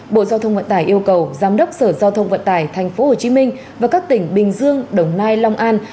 bộ giao thông vận tải yêu cầu giám đốc sở giao thông vận tải thành phố hồ chí minh và các tỉnh bình dương đồng nai long an